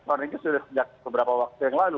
warningnya sudah sejak beberapa waktu yang lalu